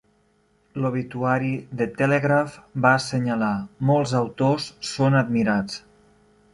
L'obituari "The Telegraph" va assenyalar: molts autors són admirats.